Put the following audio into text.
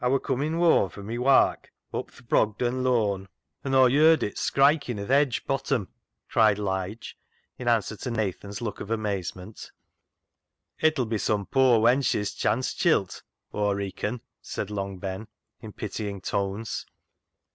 Aw wor com in' whoam fro' my wark up th' Brogden Loan [Lane], an' Aw yerd it skriking i' th' hedge bottom," cried Lige, in answer to Nathan's look of amazement. " It'll be some poor wench's chance chilt. Aw reacon," said Long Ben, in pitying tones.